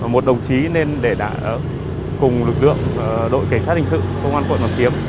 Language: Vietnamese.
một đồng chí nên để đã cùng lực lượng đội cảnh sát hình sự công an quận hoàn kiếm